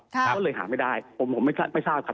ก็เลยหาไม่ได้ผมไม่ทราบครับ